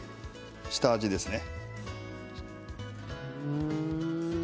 下味ですね。